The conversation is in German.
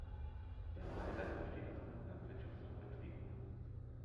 Der Weiler besteht aus einem landwirtschaftlichen Betrieb.